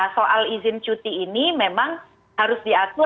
nah soal izin cuti ini memang harus diatur